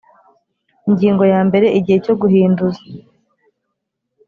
Ingingo ya mbere Igihe cyo guhinduza